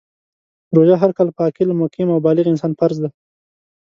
روژه هر کال په عاقل ، مقیم او بالغ انسان فرض ده .